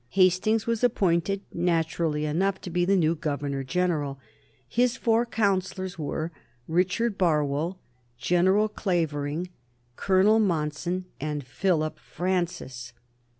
Hastings was appointed, naturally enough, to be the new Governor General. His four councillors were Richard Barwell, General Clavering, Colonel Monson, and Philip Francis.